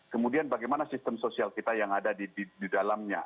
kemudian bagaimana sistem sosial kita yang ada di dalamnya